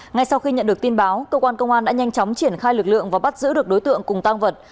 ngay sau khi nhận được tin báo cơ quan công an đã nhanh chóng triển khai lực lượng và bắt giữ được đối tượng cùng tăng vật